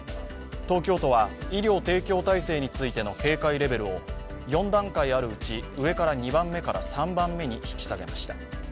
東京都は医療提供体制についての警戒レベルを４段階あるうち、上から２番目から３番目に引き下げました。